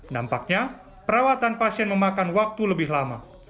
nampaknya perawatan pasien memakan waktu lebih lama